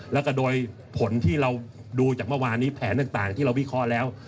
แล้วก็โดยผลที่เราดูจากเมื่อวานนี้แผนต่างที่เราวิเคราะห์แล้ว